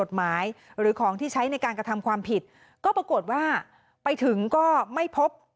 หรือของที่ใช้ในการกระทำความผิดก็ปรากฏว่าไปถึงก็ไม่พบ